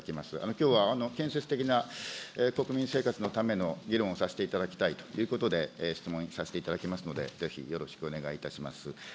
きょうは建設的な国民生活のための議論をさせていただきたいということで、質問させていただきますので、ぜひよろしくお願いいたします。